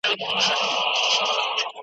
ما پر منبر د خپل بلال ږغ اورېدلی نه دی .